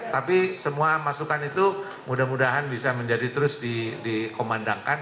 tapi semua masukan itu mudah mudahan bisa menjadi terus dikomandangkan